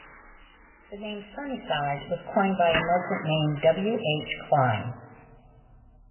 The name "Sunnyside" was coined by a merchant named W. H. Cline.